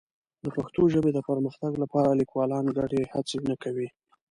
د پښتو ژبې د پرمختګ لپاره لیکوالان ګډې هڅې نه کوي.